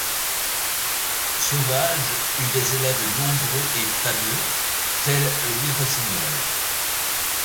Sauvage eut des élèves nombreux et fameux, tel Louis Rossignol.